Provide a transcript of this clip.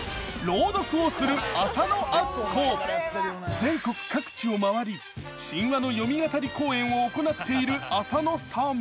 全国各地をまわり神話のよみ語り公演を行っている浅野さん。